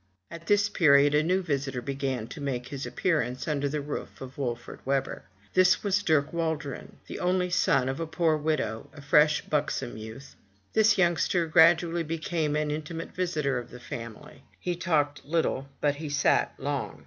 At this period a new visitor began to make his appearance under the roof of Wolfert Webber. This was Dirk Waldron, the only son of a poor widow, a fresh bucksome youth. This young ster gradually became an intimate visitor of the family. He talked little, but he sat long.